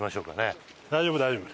富澤：大丈夫、大丈夫。